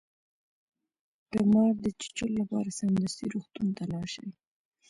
د مار د چیچلو لپاره سمدستي روغتون ته لاړ شئ